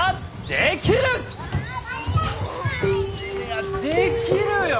できるよ！